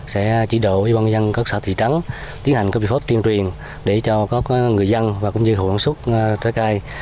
sẽ chỉ đội quân dân các xã thị trắng tiến hành copy paste tiêm truyền để cho các người dân và cũng như hữu ảnh sức trái cây